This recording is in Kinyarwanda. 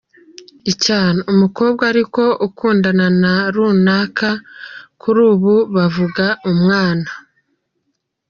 Icyana” : Umukobwa ariko ukundana na runaka kuri ubu bavuga umwana.